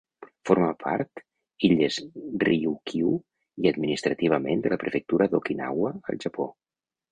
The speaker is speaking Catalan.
Forma part Illes Ryūkyū i, administrativament, de la Prefectura d'Okinawa, al Japó.